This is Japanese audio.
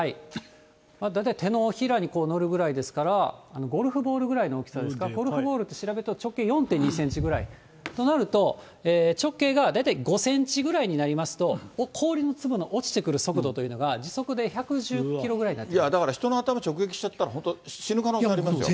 大体手のひらに載るくらいですから、ゴルフボールぐらいの大きさですから、ゴルフボールって調べると直径４．２センチぐらい、となると、直径が大体５センチぐらいになりますと、氷の粒の落ちてくる速度というのが時速で１１０キロぐらいになっいや、だから人の頭直撃しちゃったら、本当死ぬ可能性ありますよ。